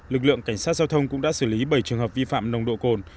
lực lượng cảnh sát giao thông cũng đã xử lý bảy trường hợp vi phạm nồng độ cồn